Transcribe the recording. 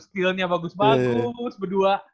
skillnya bagus bagus berdua